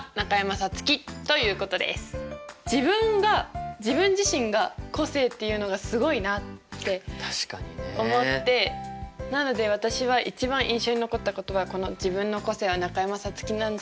自分が自分自身が個性っていうのがすごいなって思ってなので私は一番印象に残った言葉はこの「自分の個性は中山咲月」なんじゃないかなって